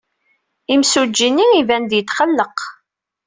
Imsujji-nni iban-d yetqelleq.